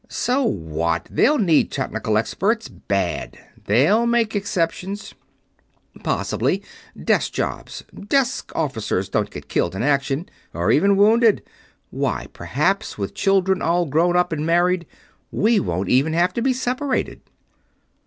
"So what? They'll need technical experts, bad. They'll make exceptions." "Possibly. Desk jobs. Desk officers don't get killed in action or even wounded. Why, perhaps, with the children all grown up and married, we won't even have to be separated."